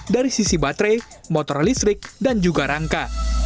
dari sisi baterai motor listrik dan juga rangka